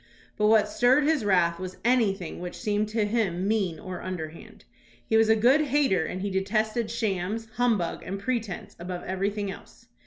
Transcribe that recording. But what stirred his wrath was anything which seemed to him mean or underhand. He was a good hater and he detested shams, humbug, and pretence above everything else.